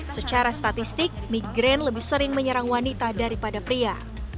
secara statistik migraine lebih sering menyerang wanita daripada pria